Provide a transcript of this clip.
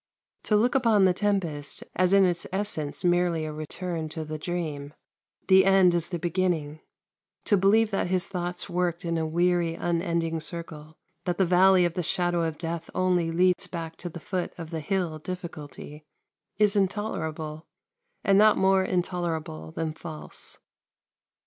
To look upon "The Tempest" as in its essence merely a return to "The Dream" the end as the beginning; to believe that his thoughts worked in a weary, unending circle that the Valley of the Shadow of Death only leads back to the foot of the Hill Difficulty is intolerable, and not more intolerable than false.